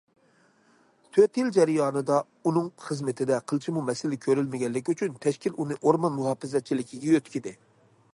تۆت يىل جەريانىدا ئۇنىڭ خىزمىتىدە قىلچىمۇ مەسىلە كۆرۈلمىگەنلىكى ئۈچۈن، تەشكىل ئۇنى ئورمان مۇھاپىزەتچىلىكىگە يۆتكىدى.